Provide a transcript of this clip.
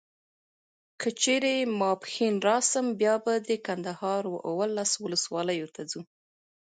که چیري ماپښین راسم بیا به د کندهار و اولس ولسوالیو ته ځو.